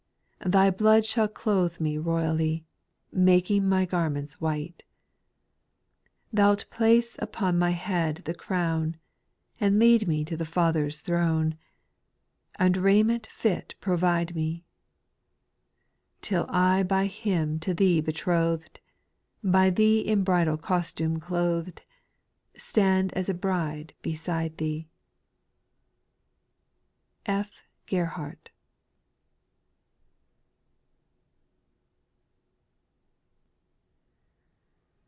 Thy blood shall clothe me royally, Making my garments white. Thou 'It place upon my head the crown, And lead me to the Father's throne, And raiment fit provide me ; Till I by Him to Thee betrothed. By Thee in bridal costume clothed, Stand as a bride beside Thee I p. GEBHABDT.